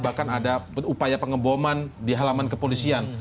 bahkan ada upaya pengeboman di halaman kepolisian